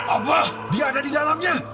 allah dia ada di dalamnya